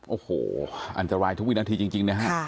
โอ้โหอันตรายทุกวินาทีจริงนะฮะ